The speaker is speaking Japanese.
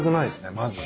まず。